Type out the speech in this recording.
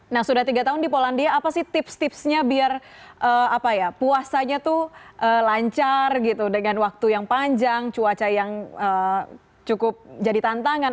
nah sudah tiga tahun di polandia apa sih tips tipsnya biar apa ya puasanya tuh lancar gitu dengan waktu yang panjang cuaca yang cukup jadi tantangan